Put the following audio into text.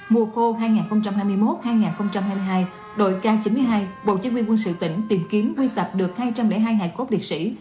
mùa khô hai nghìn hai mươi một hai nghìn hai mươi hai đội ca chín mươi hai bộ chính quyên quân sự tỉnh tìm kiếm quy tập được hai trăm linh hai cốt liệt sĩ